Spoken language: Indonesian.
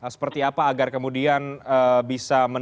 seperti apa agar kemudian